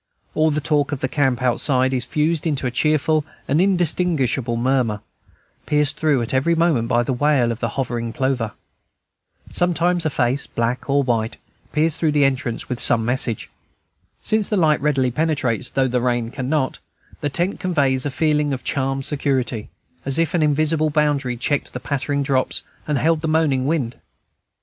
All the talk of the camp outside is fused into a cheerful and indistinguishable murmur, pierced through at every moment by the wail of the hovering plover. Sometimes a face, black or white, peers through the entrance with some message. Since the light readily penetrates, though the rain cannot, the tent conveys a feeling of charmed security, as if an invisible boundary checked the pattering drops and held the moaning wind.